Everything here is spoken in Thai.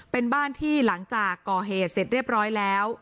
เป็นบ้านที่หลังจากก่อเหตุเสร็จเรียบร้อยแล้ว